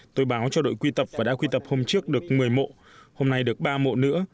tôi báo cho đội quy tập và đã quy tập hôm trước được một mươi mộ hôm nay được ba mộ nữa